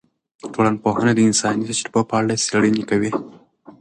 ټولنپوهنه د انساني تجربو په اړه څیړنې کوي.